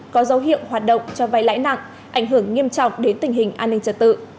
có dấu hiệu hoạt động cho vay lãi nặng ảnh hưởng nghiêm trọng đến tình hình an ninh trật tự